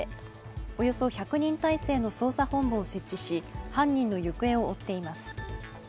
およそ１００人態勢の捜査本部を設置し、犯人の行方を追っています。